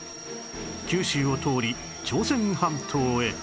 九州を通り朝鮮半島へ